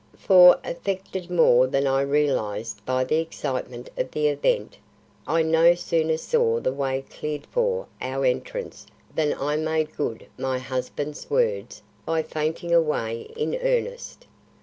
For, affected more than I realised by the excitement of the event, I no sooner saw the way cleared for our entrance than I made good my husband's words by fainting away in earnest.